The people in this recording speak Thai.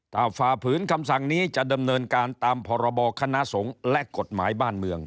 ถ้าฝ่าฝืนคำสั่งนี้จะดำเนินการตามพรบคณะสงฆ์และกฎหมายบ้านเมือง